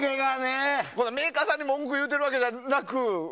メーカーさんに文句言うてるわけじゃなく。